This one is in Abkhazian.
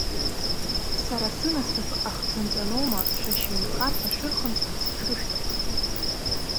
Сара сынасыԥ ахҭынҵаноума шәашьа инхарҭа шәырхынҳәырц шышәҭаху!